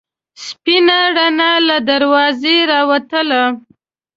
سپینه رڼا له دروازې راوتله.